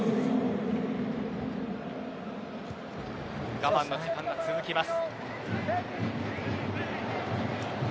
我慢の時間が続きます。